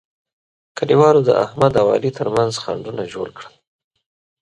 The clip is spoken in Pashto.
کلیوالو د احمد او علي ترمنځ خنډونه جوړ کړل.